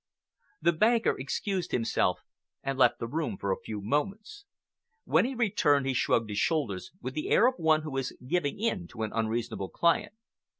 The banker excused himself and left the room for a few moments. When he returned, he shrugged his shoulders with the air of one who is giving in to an unreasonable client.